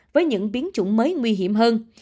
với những biến chủng mới nguy hiểm hơn